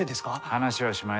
話はしまいだ。